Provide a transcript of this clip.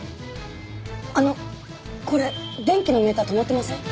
あのこれ電気のメーター止まってません？